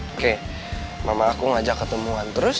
oke mama aku ngajak ketemuan terus